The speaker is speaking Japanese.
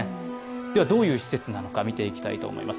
ではどういう施設なのか見ていきたいと思います。